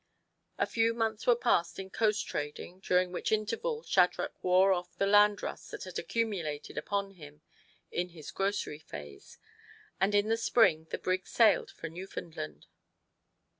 A few months were passed in coast trading, during which interval Shadrach wore off the land rust that had accumulated upon him in his grocery phase; and in the spring the brig sailed for Newfoundland.